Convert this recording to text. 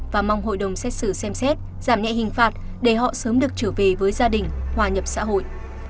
và mong hội đồng xét xử xem xét giảm nhẹ hình phạt để họ sớm được trở về với gia đình hòa nhập xã hội